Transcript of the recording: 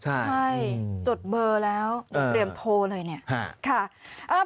ใช่จดเบอร์แล้วเตรียมโทรเลยเนี่ย